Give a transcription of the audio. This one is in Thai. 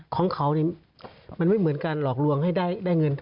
ของเขานี่มันไม่เหมือนการหลอกลวงให้ได้เงิน